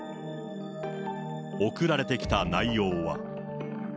送られてきた内容は。